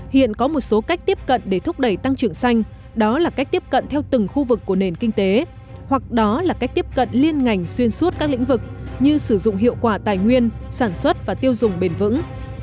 hiện có một số cách tiếp cận để thúc đẩy tăng trưởng xanh đó là cách tiếp cận theo từng khu vực của nền kinh tế hoặc đó là cách tiếp cận liên ngành xuyên suốt các lĩnh vực như sử dụng hiệu quả tài nguyên sản xuất và tiêu dùng bền vững